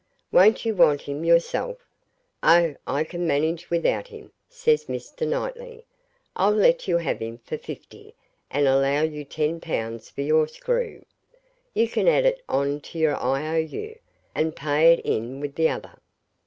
Won't you want him yourself?' 'Oh, I can manage without him,' says Mr. Knightley. 'I'll let you have him for fifty and allow you ten pounds for your screw. You can add it on to your I O U, and pay it in with the other.'